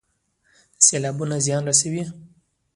سیلابونه زیان رسوي